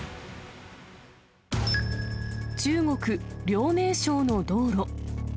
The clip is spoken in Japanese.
中国・遼寧省の道路。